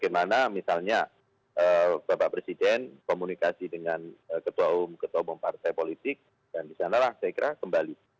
bagaimana misalnya bapak presiden komunikasi dengan ketua umum ketua umum partai politik dan disanalah saya kira kembali